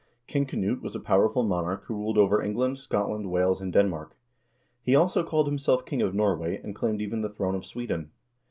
King Knut was a powerful monarch who ruled over England, Scotland, Wales, and Denmark. He, also, called himself king of Norway, and claimed even the throne of Sweden.